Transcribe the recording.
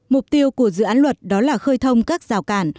mục tiêu của dự án luật đó là khơi thông các rào cản